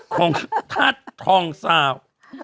ของทัศน์ทองซาว